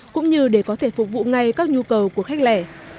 cũng như để có thể phục vụ ngay các nhu cầu của khách lẻ